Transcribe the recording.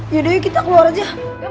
yaudah kita keluar aja